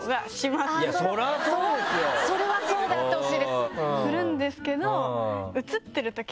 それはそうであってほしいです。